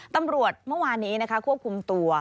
ตำรวจเมื่อวานนี้นะคะควบคุมตัว